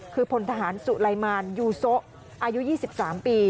คือพลทหารสุไลมานยูโซะอายุ๒๓ปี